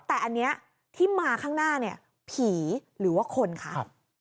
แต่อันนี้ที่มาข้างหน้าเนี่ยผีหรือว่าคนคะ